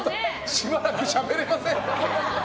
しばらくしゃべれません。